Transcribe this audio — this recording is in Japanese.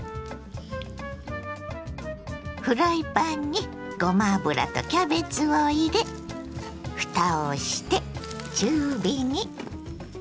フライパンにごま油とキャベツを入れふたをして中火に。